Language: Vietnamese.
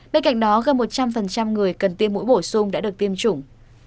bên cạnh đó gần một trăm linh người cần tiêm mũi bổ sung đã được tiêm chủng